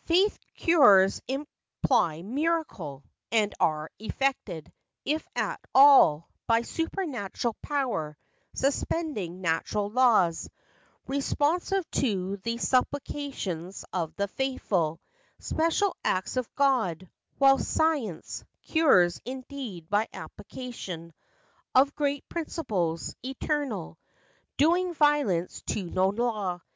' Faith cures imply miracle, and Are effected, if at all, by Supernatural power, suspending Natual laws; responsive to the Supplications of the faithful; Special acts of God; whilst science Cures, indeed, by application Of great principles—eternal, Doing violence to no law.